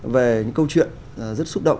về những câu chuyện rất xúc động